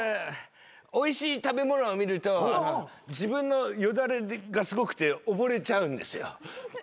おいしい食べ物を見ると自分のよだれがすごくておぼれちゃうんですよ。